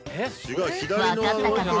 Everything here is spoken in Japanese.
わかったかな？